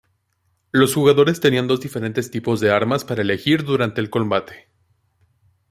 Los jugadores tenían dos diferentes tipos de armas para elegir durante el combate.